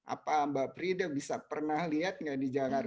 apa mbak prida bisa pernah lihat nggak di jakarta